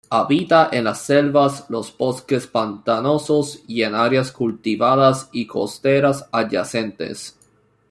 Habita en las selvas, los bosques pantanosos, y en áreas cultivadas y costeras adyacentes.